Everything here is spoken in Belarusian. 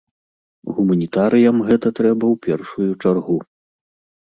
Гуманітарыям гэта трэба ў першую чаргу.